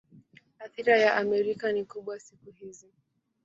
Athira ya Amerika ni kubwa siku hizi.